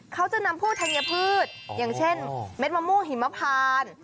เขาจะนำผู้ธัญพืชอย่างเช่นเม็ดมะม่วงหิมพาน